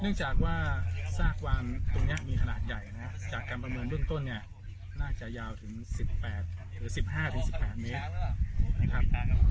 เนื่องจากว่าซากวานตรงนี้มีขนาดใหญ่จากการประเมินรุ่นต้นน่าจะยาวถึง๑๕๑๘เมตร